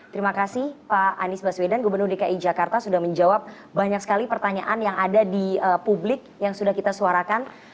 terima kasih pak anies baswedan gubernur dki jakarta sudah menjawab banyak sekali pertanyaan yang ada di publik yang sudah kita suarakan